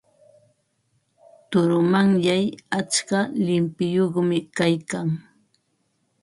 Turumanyay atska llimpiyuqmi kaykan.